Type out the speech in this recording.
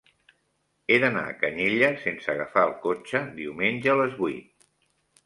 He d'anar a Canyelles sense agafar el cotxe diumenge a les vuit.